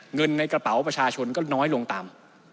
เงินในกระเป๋าประชาชนก็น้อยลงตาม